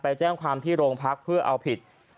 แจ้งความที่โรงพักเพื่อเอาผิด